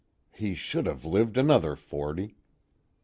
_He should have lived another forty.